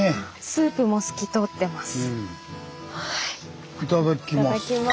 スープも透き通ってます。